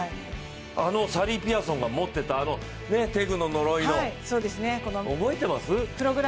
あのサリー・ピアソンが持っていたテグの呪いの、覚えてます？